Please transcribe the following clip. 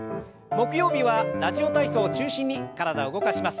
木曜日は「ラジオ体操」を中心に体を動かします。